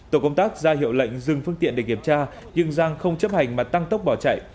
tổ công tác ra hiệu lệnh dừng phương tiện để kiểm tra nhưng giang không chấp hành mà tăng tốc bỏ chạy